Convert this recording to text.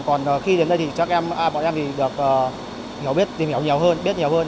còn khi đến đây thì bọn em thì được hiểu biết tìm hiểu nhiều hơn biết nhiều hơn